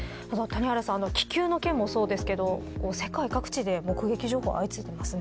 気球の件もそうですが世界各地で目撃情報が相次いでいますね。